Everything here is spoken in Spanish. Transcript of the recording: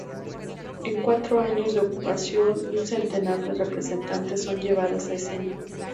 En cuatro años de ocupación, un centenar de representaciones son llevadas a escena.